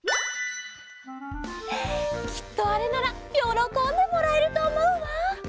きっとあれならよろこんでもらえるとおもうわ。